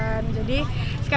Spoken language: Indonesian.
makanan yang tradisional